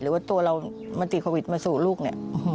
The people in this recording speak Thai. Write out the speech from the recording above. หรือว่าตัวเรามาติดโควิดมาสู่ลูกเนี่ย